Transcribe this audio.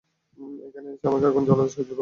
এখানে এসে আমাকে আগুল জ্বালাতে সাহায্য করুন।